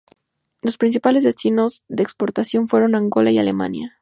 Los principales destinos de exportación fueron Angola y Alemania.